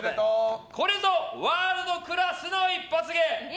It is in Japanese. これぞワールドクラスの一発芸。